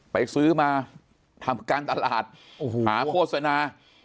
ไปซื้อมาทำการตลาดหาโฆษณา